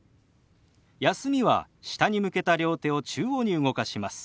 「休み」は下に向けた両手を中央に動かします。